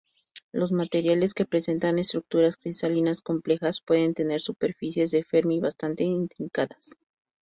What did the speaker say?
Los materiales que presentan estructuras cristalinas complejas pueden tener superficies de Fermi bastante intrincadas.